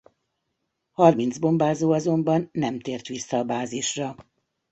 Harminc bombázó azonban nem tért vissza a bázisra.